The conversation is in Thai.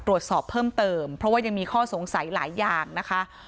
ตรวจสอบเพิ่มเติมเพราะว่ายังมีข้อสงสัยหลายอย่างนะคะ